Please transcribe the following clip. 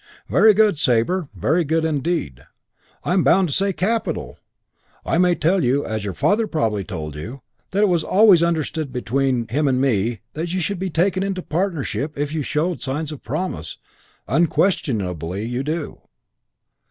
"Very good, Sabre, very good indeed. I am bound to say capital. I may tell you, as your father probably told you, that it was always understood between him and me that you should be taken into partnership if you showed signs of promise. Unquestionably you do.